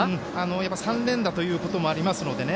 やはり３連打ということもありますのでね。